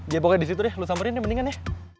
ya pokoknya disitu deh lo samperin ya mendingan ya